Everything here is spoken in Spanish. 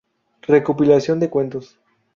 Recopilación de cuentos.